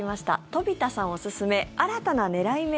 飛田さんおすすめ新たな狙い目